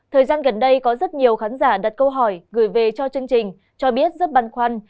thời gian gần đây có rất nhiều khán giả đặt câu hỏi gửi về cho chương trình cho biết rất băn khoăn